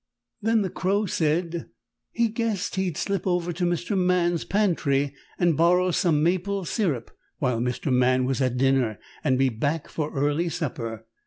Then the Crow said he guessed he'd slip over to Mr. Man's pantry and borrow some maple syrup while Mr. Man was at dinner and be back for early supper.